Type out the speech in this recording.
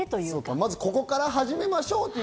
まずはここから始めましょうと。